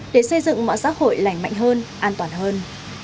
để xây dựng mạng xã hội lành mạnh hơn an toàn hơn